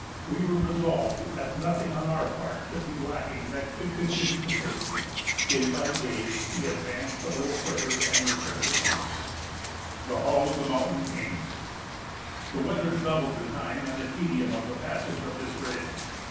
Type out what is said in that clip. We were resolved that nothing on our part should be lacking that could contribute to safety. Day by day we advanced a little further and returned to camp. [Illustration: The shattered Northeast Ridge.] [Sidenote: The Hall of the Mountain King] The weather doubled the time and the tedium of the passage of this ridge.